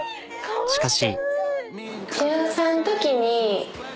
しかし。